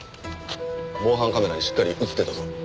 防犯カメラにしっかり映ってたぞ。